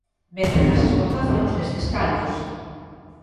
Medran as exportacións destes caldos.